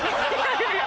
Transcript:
いやいや！